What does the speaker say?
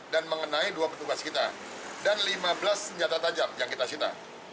dan mengenai dua petugas kita dan lima belas senjata tajam yang kita cita